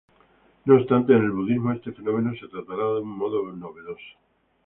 No obstante, en el budismo este fenómeno se tratará de un modo novedoso.